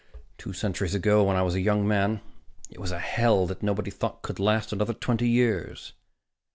"Two centuries ago, when I was a young man, it was a hell that nobody thought could last another twenty years.